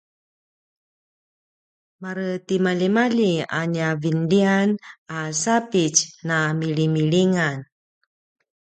maretimalji a nia vinlian a sapitj na milimilingan